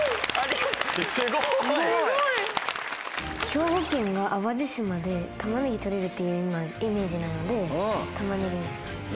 兵庫県の淡路島でたまねぎ取れるっていうイメージなのでたまねぎにしました。